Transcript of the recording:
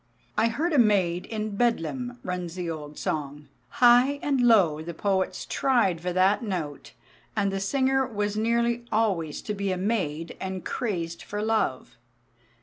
"I heard a maid in Bedlam," runs the old song. High and low the poets tried for that note, and the singer was nearly always to be a maid and crazed for love.